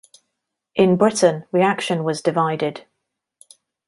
In Britain, reaction was divided.